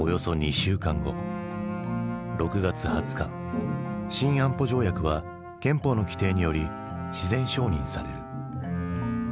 ６月２０日新安保条約は憲法の規定により自然承認される。